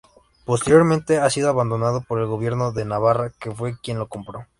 Posteriormente ha sido abandonado por el gobierno de navarra que fue quien lo compró.